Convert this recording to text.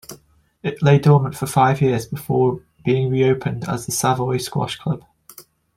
It lay dormant for five years before being reopened as the Savoy Squash Club.